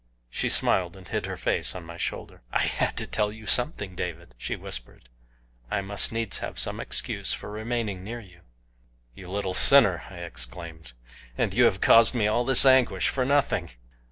She smiled, and hid her face on my shoulder. "I had to tell you SOMETHING, David," she whispered. "I must needs have SOME excuse for remaining near you." "You little sinner!" I exclaimed. "And you have caused me all this anguish for nothing!"